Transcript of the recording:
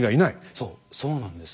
そうそうなんです。